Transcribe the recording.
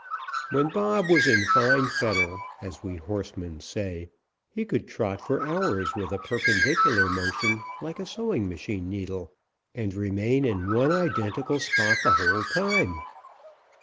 When Bob was in fine fettle, as we horsemen say, he could trot for hours with a perpendicular motion, like a sewing machine needle, and remain in one identical spot the whole time.